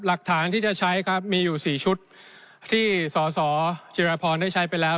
หลักฐานที่จะใช้ครับมีอยู่๔ชุดที่สสจิราพรได้ใช้ไปแล้ว